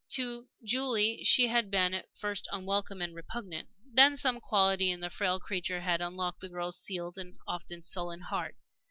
To Julie she had been at first unwelcome and repugnant. Then some quality in the frail creature had unlocked the girl's sealed and often sullen heart.